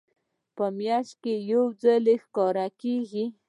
په میاشت کې یو ځل ښکاره کیږي.